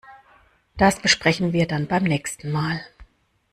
Das besprechen wir dann beim nächsten Mal.